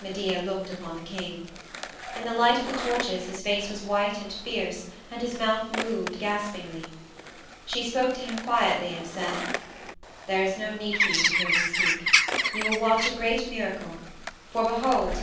Medea looked upon the king. In the light of the torches his face was white and fierce and his mouth moved gaspingly. She spoke to him quietly, and said: "There is no need for you to hear me speak. You will watch a great miracle, for behold!